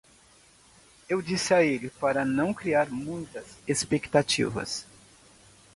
Eu disse a ele para não criar muitas expectativas.